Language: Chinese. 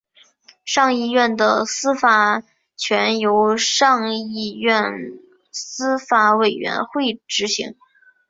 上议院的司法权由上议院司法委员会执行。